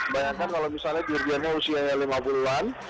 bayangkan kalau misalnya dirjennya usianya lima puluh an